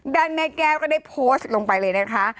แม่แก้วก็ได้โพสต์ลงไปเลยนะคะ